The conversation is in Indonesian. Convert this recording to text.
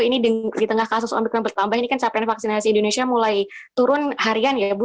ini di tengah kasus omikron bertambah ini kan capaian vaksinasi indonesia mulai turun harian ya bu